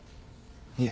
いえ。